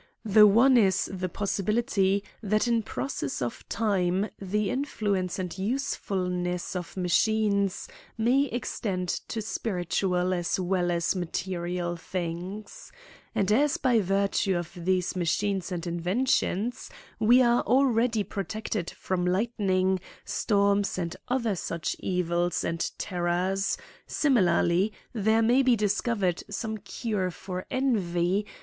The one is the possibility that in process of time the influ ence and usefulness of machines may extend to spiritual as well as material things. And as by virtue of these machines and inventions, we are already protected from lightning, storms, and other such evils and terrors ; similarly there may be discovered some cure for envy, THE ACADEMY OF SILLOGRAPHS.